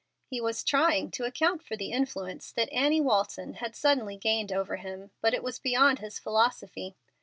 He was trying to account for the influence that Annie Walton had suddenly gained over him, but it was beyond his philosophy.